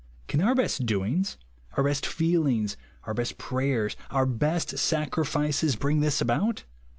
Can our best doings, our best feel ings, our best prayers, our best sacrifices, bring this about